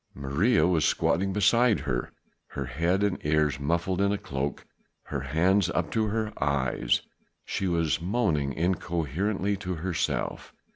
Maria was squatting beside her, her head and ears muffled in a cloak, her hands up to her eyes; she was moaning incoherently to herself.